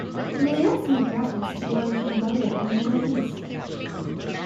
The lyrics make reference to war in Cambodia and Middle East.